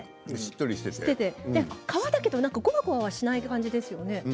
皮だけどごわごわしない感じですよね。